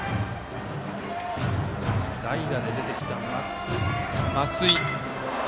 代打で出てきた松井。